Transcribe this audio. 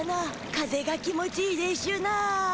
風が気持ちいいでしゅな。